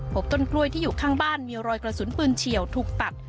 ต้นกล้วยที่อยู่ข้างบ้านมีรอยกระสุนปืนเฉียวถูกตัด